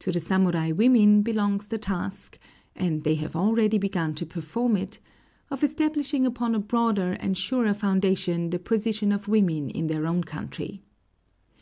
To the samurai women belongs the task and they have already begun to perform it of establishing upon a broader and surer foundation the position of women in their own country.